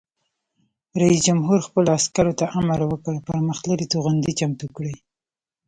رئیس جمهور خپلو عسکرو ته امر وکړ؛ پرمختللي توغندي چمتو کړئ!